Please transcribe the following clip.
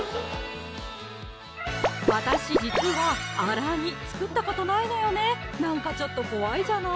私実はあら煮作ったことないのよねなんかちょっと怖いじゃない？